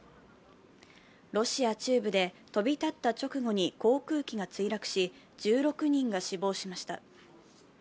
ロシア中部で飛び立った直後に航空機が墜落し、１６人が死亡しました。